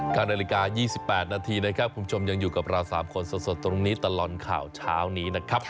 ๙นาฬิกา๒๘นาทีนะครับคุณผู้ชมยังอยู่กับเรา๓คนสดตรงนี้ตลอดข่าวเช้านี้นะครับ